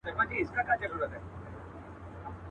را ایستل یې له قبرونو کفنونه.